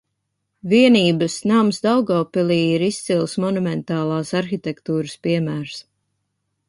Vienības nams Daugavpilī ir izcils monumentālās arhitektūras piemērs.